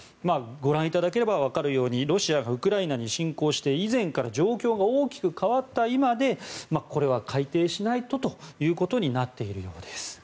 ご覧いただければわかるようにロシアがウクライナに侵攻して、以前から状況が大きく変わった今でこれは改定しないとということになっているようです。